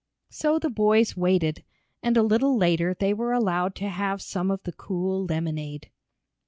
So the boys waited, and a little later they were allowed to have some of the cool lemonade.